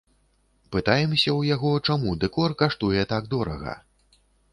Пытаемся ў яго, чаму дэкор каштуе так дорага.